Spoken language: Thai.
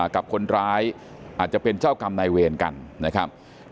กับคนร้ายอาจจะเป็นเจ้ากรรมนายเวรกันนะครับ